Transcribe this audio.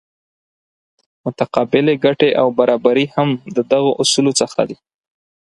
متقابلې ګټې او برابري هم د دغو اصولو څخه دي.